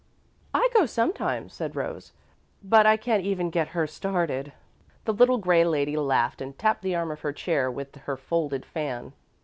"I go sometimes," said Rose, "but I can't even get her started." The little grey lady laughed and tapped the arm of her chair with her folded fan.